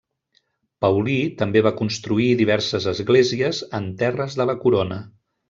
Paulí també va construir diverses esglésies en terres de la corona.